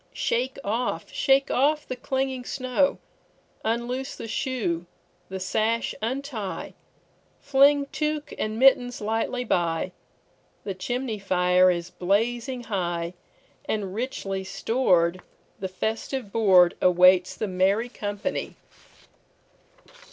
Shake off, shake off the clinging snow; Unloose the shoe, the sash untie, Fling tuque and mittens lightly by; The chimney fire is blazing high, And, richly stored, the festive boardAwaits the merry company.